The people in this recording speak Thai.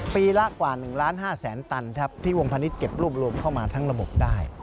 ปีละกว่า๑๕๐๐๐๐๐ตันที่วงพาณิชย์เก็บรวบเข้ามาทั้งระบบได้